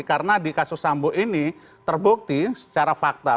karena di kasus sambo ini terbukti secara fakta